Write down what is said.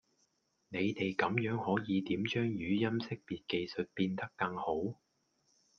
你地咁樣可以點將語音識別技術變得更好?